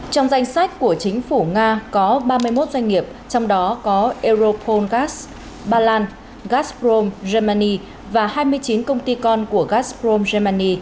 trong danh sách của chính phủ nga có ba mươi một doanh nghiệp trong đó có europol gas baland gazprom germany và hai mươi chín công ty con của gazprom germany